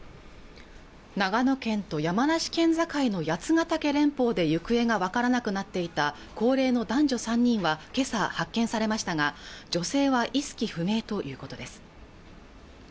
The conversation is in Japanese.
長野県と山梨県境の八ヶ岳連峰で行方が分からなくなっていた高齢の男女３人はけさ発見されましたが女性は意識不明ということです